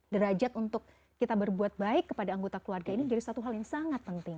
derajat untuk kita berbuat baik kepada anggota keluarga ini menjadi satu hal yang sangat penting